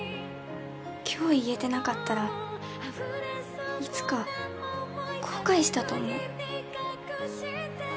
今日言えてなかったらいつか後悔したと思う。